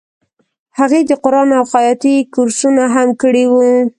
هغې د قرآن او خیاطۍ کورسونه هم کړي وو